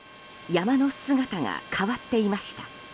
山の姿が変わっていました。